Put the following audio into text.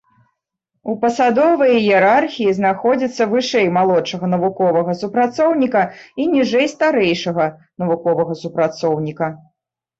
У пасадовай іерархіі знаходзіцца вышэй малодшага навуковага супрацоўніка і ніжэй старэйшага навуковага супрацоўніка.